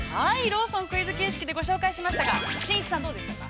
◆ローソン、クイズ形式でご紹介しましたがしんいちさんどうでしたか。